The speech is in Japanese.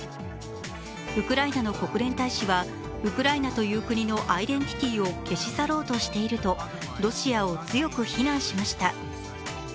ウクライナの国連大使はウクライナという国のアイデンティティを消し去ろうとしているとロシアを強く非難しました。